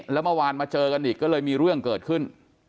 แล้วเมื่อวานมาเจอกันอีกก็เลยมีเรื่องเกิดขึ้น